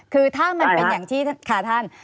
คือถ้ามันเป็นอย่างที่ค่ะท่าน